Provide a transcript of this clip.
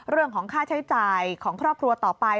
เรื่องของค่าใช้จ่ายของครอบครัวต่อไป